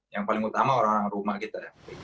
yang paling utama orang orang rumah kita